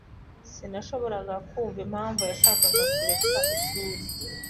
Sinashoboraga kumva impamvu yashakaga kureka ishuri.